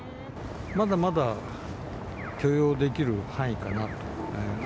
まだまだ許容できる範囲かな。